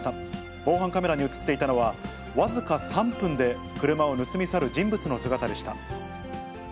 防犯カメラに写っていたのは、僅か３分で車を盗み去る人物の姿でした。